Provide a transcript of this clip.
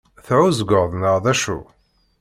Teεεuẓgeḍ neɣ d acu?